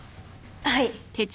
はい。